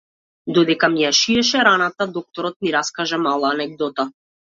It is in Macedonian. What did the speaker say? Додека ми ја шиеше раната докторот ни раскажа мала анегдота.